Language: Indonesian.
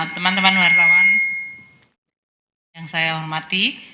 teman teman wartawan yang saya hormati